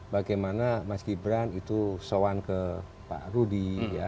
bagaimana mas gibran itu soan ke pak rudi